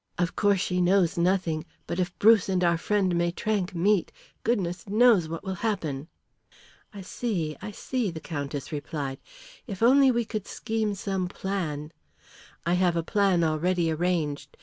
Of course, she knows nothing, but if Bruce and our friend Maitrank meet, goodness knows what will happen." "I see, I see," the Countess replied. "If we could only scheme some plan " "I have a plan already arranged.